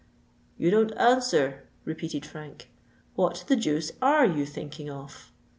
"You don't answer," repeated Frank: "what the deuce are you thinking of?"